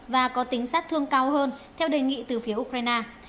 và có tính sát thương cao hơn theo đề nghị từ phía ukraine